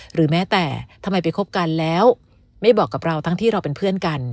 หรือแม้แต่ทำไมไปคบกันแล้วไม่บอกกับเราทั้งที่เราเป็นเพื่อนกัน